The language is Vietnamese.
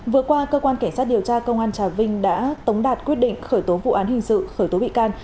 vừa qua cơ quan cảnh sát điều tra công an trà vinh đã tống đạt quyết định khởi tố vụ án hình sự khởi tố bị can